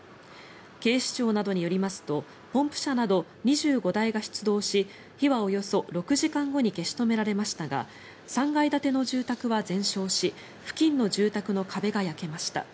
警視庁などによりますとポンプ車など２５台が出動し火はおよそ６時間後に消し止められましたが３階建ての住宅は全焼し付近の住宅の壁が焼けました。